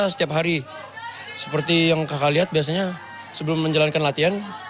setiap hari seperti yang kakak lihat biasanya sebelum menjalankan latihan